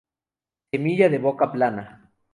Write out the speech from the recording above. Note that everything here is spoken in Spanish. Semilla de boca plana.